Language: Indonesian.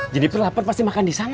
jennifer lapar pasti makan disana